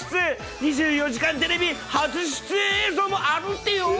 ２４時間テレビ初出演映像もあるってよ。